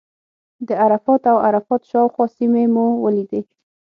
د عرفات او عرفات شاوخوا سیمې مو ولیدې.